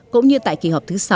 cũng như tại kỳ họp thứ sáu